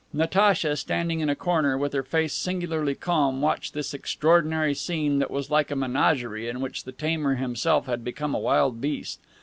Natacha, standing in a corner, with her face singularly calm, watched this extraordinary scene that was like a menagerie in which the tamer himself had become a wild beast.